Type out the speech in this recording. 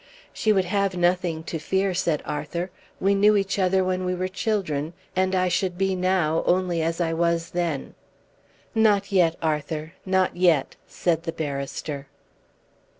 "She would have nothing to fear," said Arthur. "We knew each other when we were children, and I should be now only as I was then." "Not yet, Arthur; not yet," said the barrister.